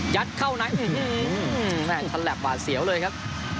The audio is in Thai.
ยัดเข้าไหนแชลปหวานเสียวเลยครับ